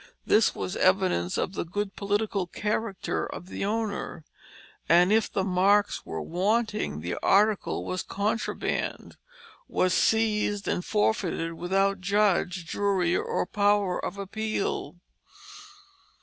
This was evidence of the good political character of the owner; and if the marks were wanting the article was contraband, was seized and forfeited without judge, jury, or power of appeal.